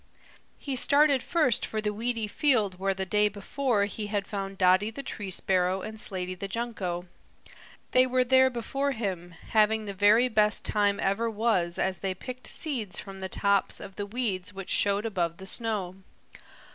He started first for the weedy field where the day before he had found Dotty the Tree Sparrow and Slaty the Junco. They were there before him, having the very best time ever was as they picked seeds from the tops of the weeds which showed above the snow.